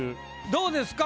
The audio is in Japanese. どうですか？